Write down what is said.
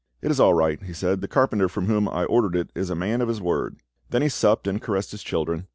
"It is all right," he said, "the carpenter from whom I ordered it is a man of his word." Then he supped, and caressed his children.